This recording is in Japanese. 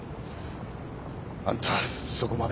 あんたそこまで。